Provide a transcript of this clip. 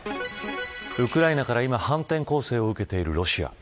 ウクライナから今反転攻勢を受けているロシア。